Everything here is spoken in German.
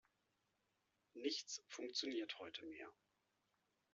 Nichts funktioniert heute mehr.